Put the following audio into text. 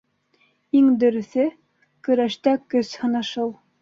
- Иң дөрөҫө - көрәштә көс һынашыу.